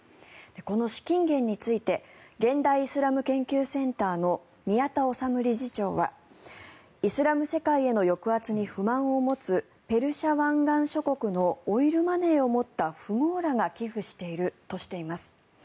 この資金源について現代イスラム研究センターの宮田律理事長はイスラム世界への抑圧に不満を持つペルシャ湾岸諸国のオイルマネーを持った富豪らが寄付しているとしています。